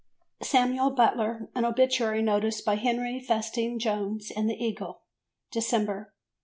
"Samuel Butler," an obituary notice by Henry Festing Jones in the Eagle (December).